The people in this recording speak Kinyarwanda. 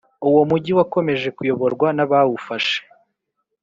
Uwo mugi wakomeje kuyoborwa n’abawufashe